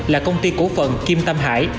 là công ty cổ phần kim tâm hải